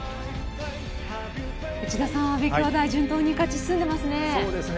内田さん、阿部兄妹順当に勝ち進んでいますね。